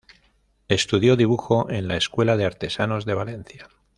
Estudió dibujo en la Escuela de Artesanos de Valencia.